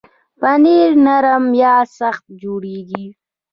پنېر نرم یا سخت جوړېږي.